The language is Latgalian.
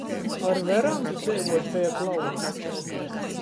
Ar verandu dzeivuot beja glaunuok.